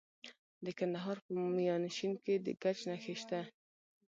د کندهار په میانشین کې د ګچ نښې شته.